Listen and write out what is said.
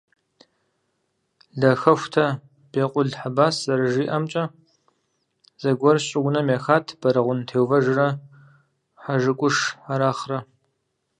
Лъахэхутэ Бекъул Хьэбас зэрыжиӀэмкӀэ, зэгуэр щӀыунэм ехат Бэрэгъун Теувэжрэ ХьэжыкӀуш Арахърэ.